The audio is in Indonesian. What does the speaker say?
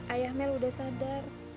ayah mel udah sadar